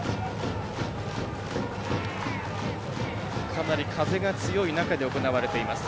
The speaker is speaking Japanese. かなり風が強い中で行われています。